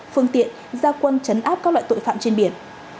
phương tiện gia quân chấn áp các loại tội phạm trên biển